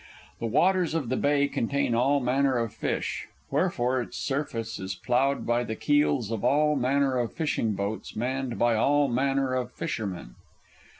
The waters of the bay contain all manner of fish, wherefore its surface is ploughed by the keels of all manner of fishing boats manned by all manner of fishermen.